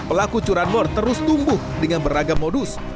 pelaku curanmor terus tumbuh dengan beragam modus